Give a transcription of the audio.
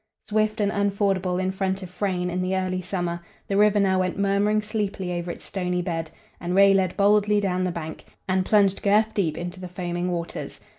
Swift and unfordable in front of Frayne in the earlier summer, the river now went murmuring sleepily over its stony bed, and Ray led boldly down the bank and plunged girth deep into the foaming waters.